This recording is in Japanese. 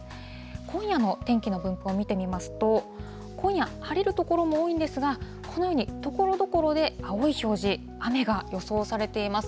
今夜の天気の分布を見てみますと、今夜、晴れる所も多いんですが、このようにところどころで青い表示、雨が予想されています。